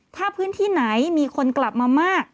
ถ้าพื้นที่ไหนมีคนกลับมามาก